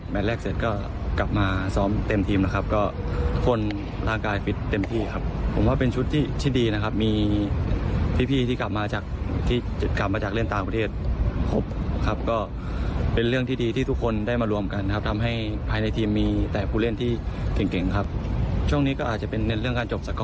เพราะว่านัดที่แล้วมีโอกาสเยอะและทำได้ไม่เยอะครับ